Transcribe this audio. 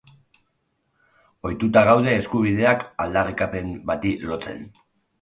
Ohituta gaude eskubideak aldarrikapen bati lotzen.